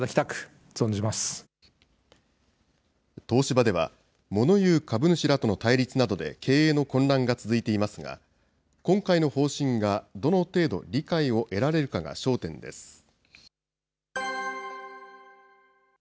東芝では、モノ言う株主らとの対立などで経営の混乱が続いていますが、今回の方針がどの程度理解を得られるかが焦点です。